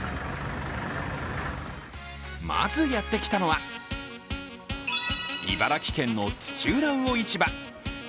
まずはやってきたのは、茨城県の土浦魚市場。